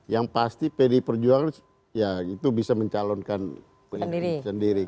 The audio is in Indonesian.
yang pasti pdi perjuangan ya itu bisa mencalonkan sendiri